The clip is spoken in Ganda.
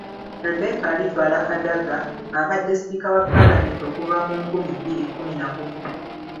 Rebecca Alitwala Kadaga abadde Sipiika wa Paalamenti okuva mu nkumi bbiri kkumi na gumu.